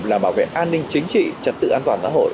đảm bảo về an ninh chính trị trật tự an toàn xã hội